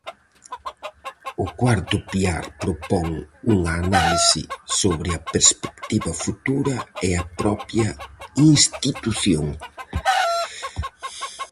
O cuarto piar propón unha análise sobre a perspectiva futura e a propia institución.